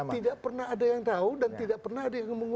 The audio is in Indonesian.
tidak pernah ada yang tahu dan tidak pernah ada yang ngomong